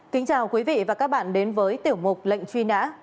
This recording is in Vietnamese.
kính chào quý vị và các bạn đến với tiểu mục lệnh truy nã